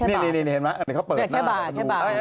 เหมือนเหมาะ